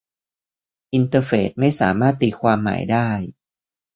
อินเตอร์เฟสไม่สามารถตีความหมายได้